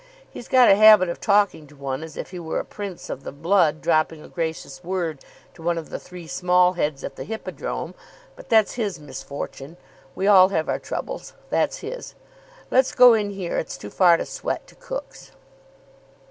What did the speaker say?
"He's got a habit of talking to one as if he were a prince of the blood dropping a gracious word to one of the three Small Heads at the Hippodrome, but that's his misfortune. We all have our troubles. That's his. Let's go in here. It's too far to sweat to Cook's."